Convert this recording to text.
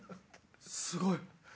すごい！